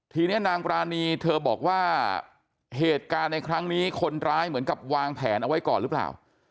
ทีนี้นางปรานีเธอบอกว่าเหตุการณ์ในครั้งนี้คนร้ายเหมือนกับวางแผนเอาไว้ก่อนหรือเปล่า